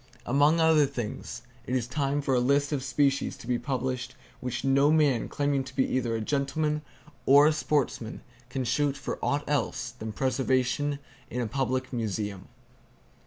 Among other things, it is time for a list of species to be published which no man claiming to be either a gentleman or a sportsman can shoot for aught else than preservation in a public museum.